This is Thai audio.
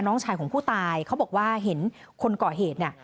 น้องชายของผู้ตายเขาบอกว่าเห็นคนก่อเหตุเนี่ย